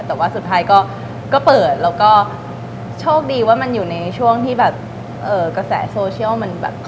แต่ว่าสุดท้ายก็เปิดแล้วก็โชคดีว่ามันอยู่ในช่วงที่แบบกระแสโซเชียลมันแบบ